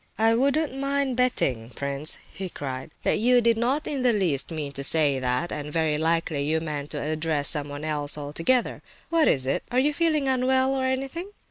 "I wouldn't mind betting, prince," he cried, "that you did not in the least mean to say that, and very likely you meant to address someone else altogether. What is it? Are you feeling unwell or anything?"